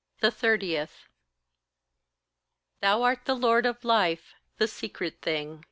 30. Thou art the Lord of life, the secret thing.